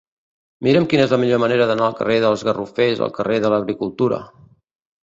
Mira'm quina és la millor manera d'anar del carrer dels Garrofers al carrer de l'Agricultura.